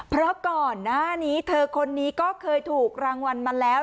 เพราะก่อนหน้านี้เธอคนนี้ก็เคยถูกรางวัลมาแล้ว